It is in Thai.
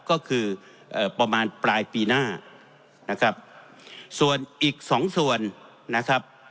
ก็คือประมาณปลายปีหน้านะครับส่วนอีกสองส่วนนะครับ